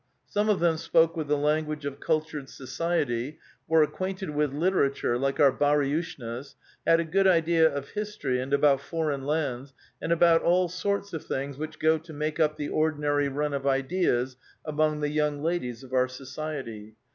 Some of them spoke with the language of cultured society, were ac quainted with literature like our bariushnas, had a good idea of history and about foreign lands, and about all sorts of things which go to make up the ordinary nm of ideas among the young ladies of our society.